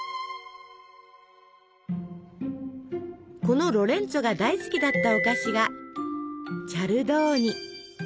このロレンツォが大好きだったお菓子がチャルドーニ。